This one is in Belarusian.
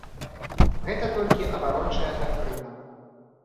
Гэта толькі абарончая дактрына.